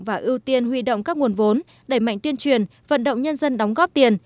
và ưu tiên huy động các nguồn vốn đẩy mạnh tuyên truyền vận động nhân dân đóng góp tiền